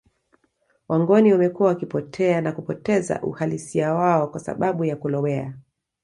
Wangoni wamekuwa wakipotea na kupoteza uhalisia wao kwa sababu ya kulowea